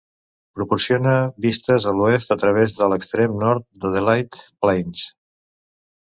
Proporciona vistes a l'oest a través de l'extrem nord d'Adelaide Plains.